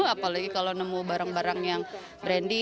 apalagi kalau nemu barang barang yang brandy